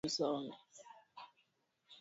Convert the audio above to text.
Kikafuata kizazi chenye asili ya jina la Tang